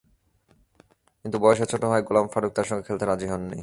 কিন্তু বয়সে ছোট হওয়ায় গোলাম ফারুক তাঁর সঙ্গে খেলতে রাজি হননি।